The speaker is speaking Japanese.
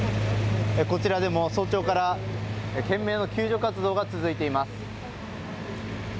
こちらでも早朝から懸命の救助活動が続いています。